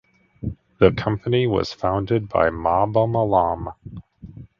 The company was founded by Mahbub alam.